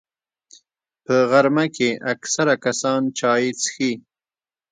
په غرمه کې اکثره کسان چای څښي